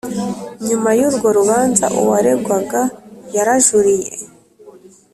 Nyuma yurwo rubanza uwaregwaga yarajuriye